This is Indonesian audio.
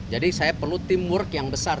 jadi saya perlu teamwork yang besar